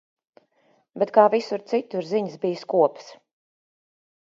Bet, kā visur citur, ziņas bija skopas.